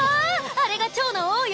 あれが蝶の王よ。